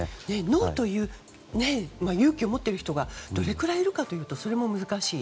ノーと言う勇気を持ってる人がどれくらいいるかそれも難しい。